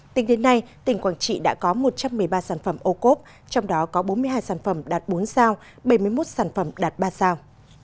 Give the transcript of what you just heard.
tính đến nay tỉnh quảng trị đã có một trăm một mươi ba sản phẩm ô cốp trong đó có bốn mươi hai sản phẩm đạt bốn sao bảy mươi một sản phẩm đạt ba sao